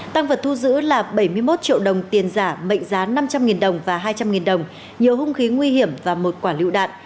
tăng vật thu giữ là bảy mươi một triệu đồng tiền giả mệnh giá năm trăm linh đồng và hai trăm linh đồng nhiều hung khí nguy hiểm và một quả lựu đạn